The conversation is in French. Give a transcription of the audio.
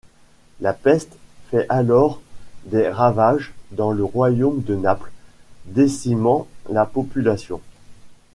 La peste fait alors des ravages dans le Royaume de Naples, décimant la population.